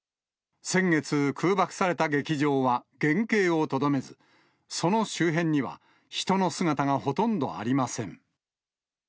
先月、空爆された劇場は原形をとどめず、その周辺には人の姿がほとんどありません。